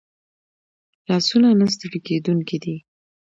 لاسونه نه ستړي کېدونکي دي